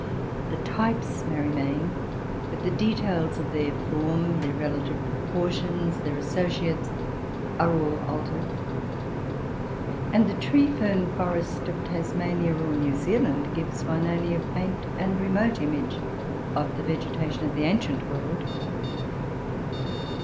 The types may remain, but the details of their form, their relative proportions, their associates, are all altered. And the tree fern forest of Tasmania, or New Zealand, gives one only a faint and remote image of the vegetation of the ancient world.